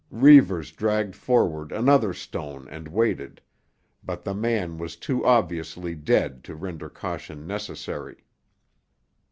Reivers dragged forward another stone and waited, but the man was too obviously dead to render caution necessary.